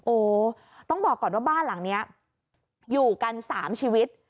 โอ้ต้องบอกก่อนว่าบ้านหลังนี้อยู่กัน๓ชีวิต